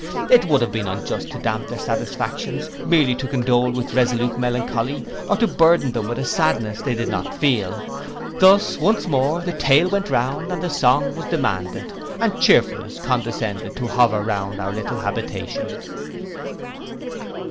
It would have been unjust to damp their satisfactions, merely to condole with resolute melancholy, or to burthen them with a sadness they did not feel. Thus, once more, the tale went round and the song was demanded, and cheerfulness condescended to hover round our little habitation.